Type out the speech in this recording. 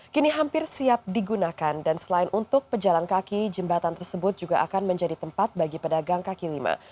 kini hampir siap digunakan dan selain untuk pejalan kaki jembatan tersebut juga akan menjadi tempat bagi pedagang kaki lima